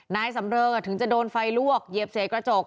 นายสำเริงถึงจะโดนไฟลวกเหยียบเสียกระจก